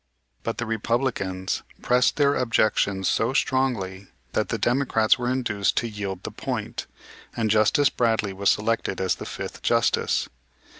But the Republicans pressed their objections so strongly that the Democrats were induced to yield the point, and Justice Bradley was selected as the fifth Justice.